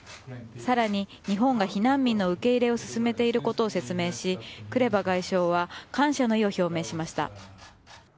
さらに、日本は避難民の受け入れを進めていることを説明しクレバ外相は感謝の意を表明しました。